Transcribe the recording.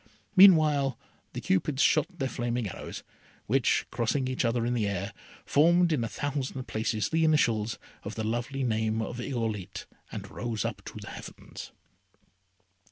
Meanwhile, the Cupids shot their flaming arrows, which, crossing each other in the air, formed in a thousand places the initials of the lovely name of Irolite, and rose up to the Heavens.